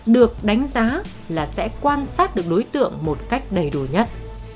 được đánh giá là sẽ quan sát được đối tượng một cách đầy đủ nhất